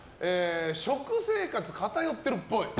食生活偏ってるっぽい。